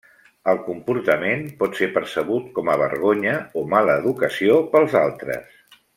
El comportament pot ser percebut com a vergonya o mala educació pels altres.